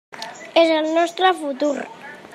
És el nostre futur.